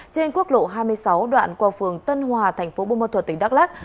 trên quốc lộ hai mươi sáu đoạn qua phường tân hòa tp bông mơ thuật tỉnh đắk lạc